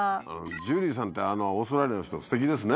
ジュリーさんってあのオーストラリアの人すてきですね。